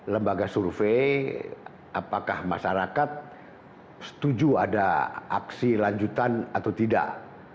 lembaga survei apakah masyarakat setuju ada aksi lanjutan atau tidak